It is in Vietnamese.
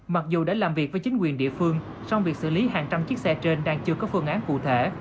mặc dù đã làm việc với chính quyền địa phương song việc xử lý hàng trăm chiếc xe trên đang chưa có phương án cụ thể